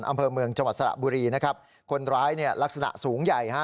อำเภอเมืองจังหวัดสระบุรีนะครับคนร้ายเนี่ยลักษณะสูงใหญ่ฮะ